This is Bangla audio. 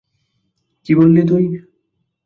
কি বললি তুই?